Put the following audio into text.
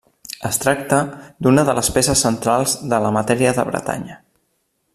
Es tracta d'una de les peces centrals de la matèria de Bretanya.